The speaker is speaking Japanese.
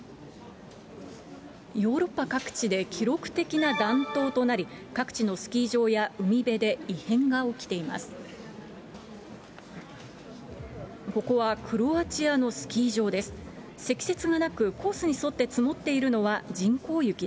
ヨーロッパ各地で記録的な暖冬となり、各地のスキー場や海辺で異変が起きています。